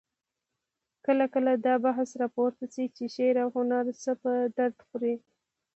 کله کله دا بحث راپورته شي چې شعر او هنر څه په درد خوري؟